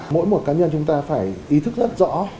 mỗi một cá nhân chúng ta phải ý thức rất rõ